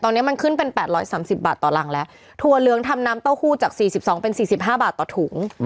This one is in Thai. ตอนนี้มันขึ้นเป็น๘๓๐บาทต่อรังแล้วถั่วเหลืองทำน้ำเต้าหู้จาก๔๒เป็น๔๕บาทต่อถุง